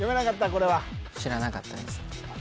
これは知らなかったですね